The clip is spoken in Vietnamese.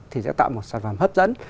thì sẽ tạo một sản phẩm hấp dẫn